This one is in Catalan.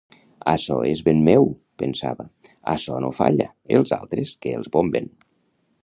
Açò és ben meu, —pensava— açò no falla: els altres, que els bomben!